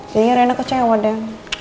jadinya rena kecewa deh